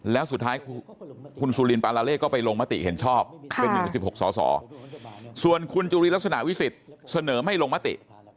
แล้วสุดท้ายคุณสุลินปาลาเล่ก็ไปลงมติเห็นชอบเป็น๑๑๖สสส่วนคุณจุลินลักษณะวิสิทธิ์เสนอไม่ลงมติ